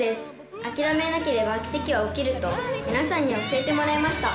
諦めなければ奇跡は起きると、皆さんに教えてもらいました。